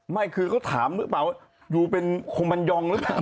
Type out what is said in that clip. ไม่คือเขาถามหรือเปล่าว่าอยู่เป็นคงมันยองหรือเปล่า